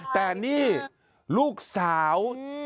แต่นี่ลูกสาว